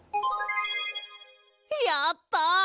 やった！